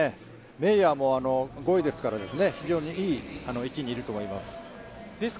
メイヤーも５位ですから、非常にいい位置にいると思います。